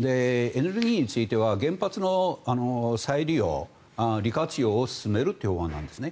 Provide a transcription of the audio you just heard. エネルギーについては原発の再利用、利活用を進めるという法案なんですね。